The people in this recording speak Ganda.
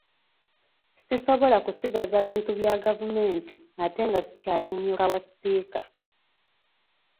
Sisobola kusigaza bintu bya gavumenti ate nga sikyali mumyuka wa Sipiika.